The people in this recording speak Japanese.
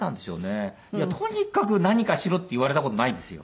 とにかく何かしろって言われた事ないんですよ。